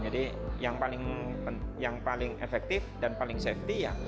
jadi yang paling efektif dan paling safety ya